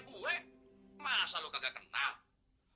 orang yang lebih tinggi pangkatnya dari kamu saja mengenal saya